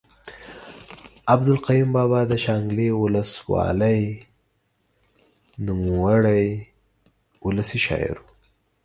عبدالقیوم بابا د شانګلې اولس والۍ نوموړے اولسي شاعر ؤ